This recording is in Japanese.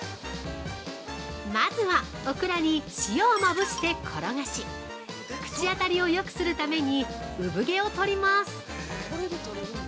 ◆まずはオクラに塩をまぶして転がし、口当たりをよくするためにうぶ毛を取ります。